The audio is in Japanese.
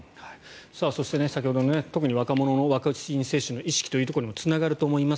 そして、先ほど特に若者のワクチン接種の意識につながると思います。